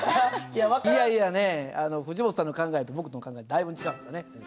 いやいやねえ藤本さんの考えと僕の考えだいぶん違うんですよね。